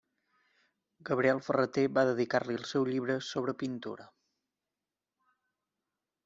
Gabriel Ferrater va dedicar-li el seu llibre Sobre pintura.